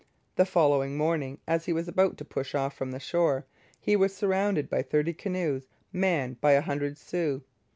The following morning, as he was about to push off from the shore, he was surrounded by thirty canoes manned by a hundred Sioux.